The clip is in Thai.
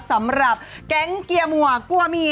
สำหรับแก๊งเกียร์มัวกลัวเมีย